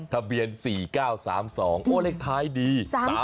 ทะเบียน๔๙๓๒โอ้เลขท้ายดี